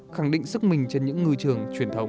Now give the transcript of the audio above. khẳng định sức mình trên những ngư trường truyền thống